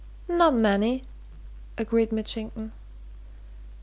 "Not many," agreed Mitchington.